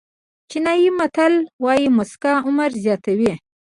چینایي متل وایي موسکا عمر زیاتوي.